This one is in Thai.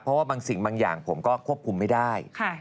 เพราะว่าบางสิ่งบางอย่างผมก็ควบคุมไม่ได้